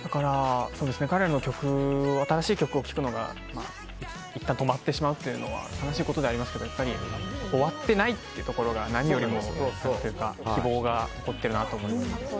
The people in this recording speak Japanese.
彼らの新しい曲を聴くのがいったん止まってしまうっていうのは悲しいことではありますけど終わってないっていうところが何よりも希望が残ってるなと思います。